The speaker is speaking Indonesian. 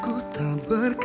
aku akan pergi